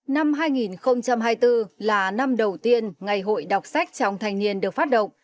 năm hai nghìn hai mươi bốn là năm đầu tiên ngày hội đọc sách trong thanh niên được phát động